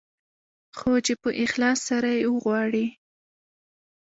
خو چې په اخلاص سره يې وغواړې.